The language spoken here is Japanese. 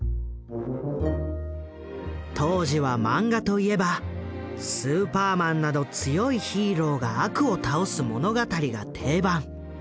当時はマンガといえば「スーパーマン」など強いヒーローが悪を倒す物語が定番。